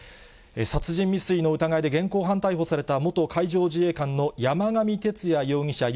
殺人未遂の疑いで現行犯逮捕された、元海上自衛官の山上徹也容疑者